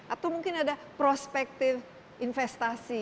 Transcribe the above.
atau mungkin ada prospektif investasi